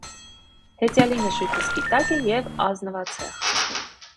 Հեծյալի նժույգը սպիտակ է և ազնվացեղ։